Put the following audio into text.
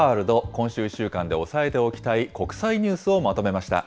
今週１週間で押さえておきたい国際ニュースをまとめました。